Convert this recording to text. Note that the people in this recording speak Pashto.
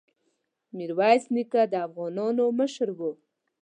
ميرويس نيکه د افغانانو مشر وو.